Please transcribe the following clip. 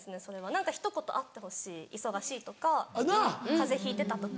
何かひと言あってほしい「忙しい」とか「風邪ひいてた」とか。